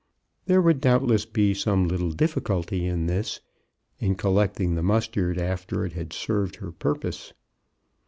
There would doubtless be some little difficulty in this — in collecting the mustard after it had served her purpose.